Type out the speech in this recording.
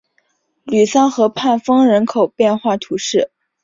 吕桑河畔丰人口变化图示